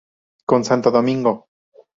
Con Santo Domingo.